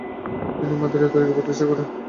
তিনি মাদারিয়া তরিকা প্রতিষ্ঠা করেন।